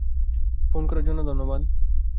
Phone করার জন্য ধন্যবাদ।